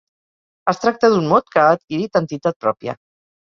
Es tracta d’un mot que ha adquirit entitat pròpia.